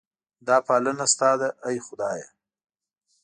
دا پالنه ستا ده ای خدایه.